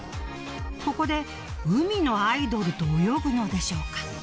ここで海のアイドルと泳ぐのでしょうか？